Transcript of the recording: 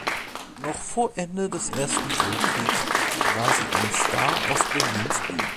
Noch vor Ende des Ersten Weltkriegs war sie ein Star auf Berlins Bühnen.